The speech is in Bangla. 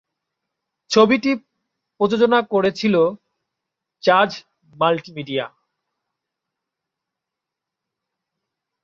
ছবিটি প্রযোজনা করেছিল জাজ মাল্টিমিডিয়া।